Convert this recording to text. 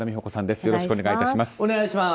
よろしくお願いします。